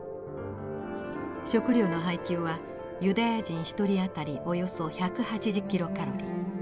食料の配給はユダヤ人１人当たりおよそ１８０キロカロリー。